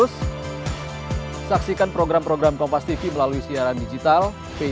sampai jumpa di video selanjutnya